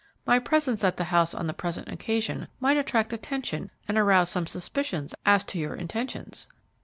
My presence at the house on the present occasion might attract attention and arouse some suspicions as to your intentions."